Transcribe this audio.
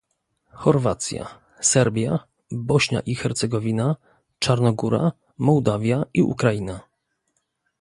Chorwacja, Serbia, Bośnia i Hercegowina, Czarnogóra, Mołdawia i Ukraina